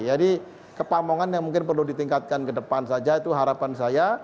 jadi kepamongan yang mungkin perlu ditingkatkan ke depan saja itu harapan saya